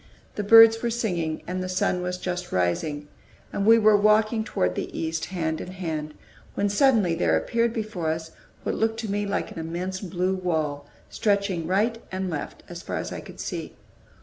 The birds were singing, and the sun was just rising, and we were walking toward the east, hand in hand, when suddenly there appeared before us what looked to me like an immense blue wall, stretching right and left as far as I could see.